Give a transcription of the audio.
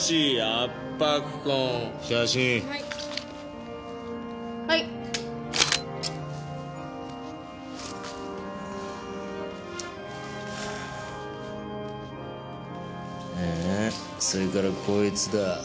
ああそれからこいつだ。